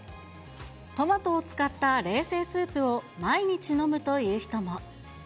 トマトを使った冷製スープを毎日飲むという人も。